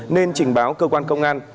nên trình báo cơ quan công an